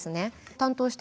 担当した